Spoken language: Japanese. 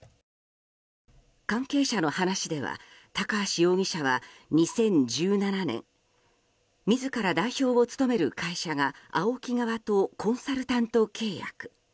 関係者の話では、高橋容疑者は２０１７年自ら代表を務める会社がＡＯＫＩ側とコンサルタント契約。